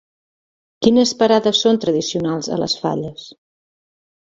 Quines parades són tradicionals a les falles?